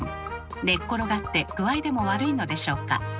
寝っ転がって具合でも悪いのでしょうか。